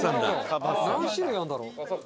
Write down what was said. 「何種類あるんだろう？」